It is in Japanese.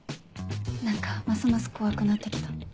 何かますます怖くなって来た。